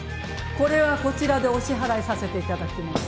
これはこちらでお支払いさせて頂きます。